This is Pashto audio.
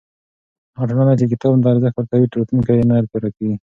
هغه ټولنه چې کتاب ته ارزښت ورکوي، راتلونکی یې نه تیاره کېږي.